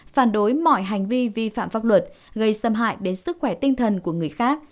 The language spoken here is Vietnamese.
phản đối mọi hành vi vi phạm pháp luật gây xâm hại đến sức khỏe tinh thần của người khác